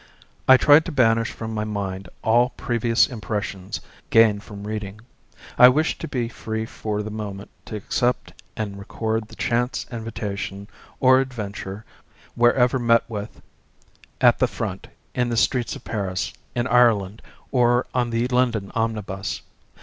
I tried to banish from my mind all previous impressions gained from reading. I wished to be free for the moment to accept and record the chance invitation or adventure, wherever met with, at the Front, in the streets of Paris, in Ireland, or on the London omnibus.